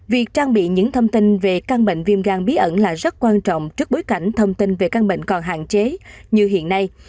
việc trang bị những thông tin về căn bệnh viêm gan bí ẩn là rất quan trọng trước bối cảnh thông tin về căn bệnh còn hạn chế như hiện nay